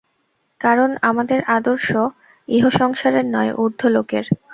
কারণ আমাদের আদর্শ ইহসংসারের নয়, ঊর্ধ্বলোকের।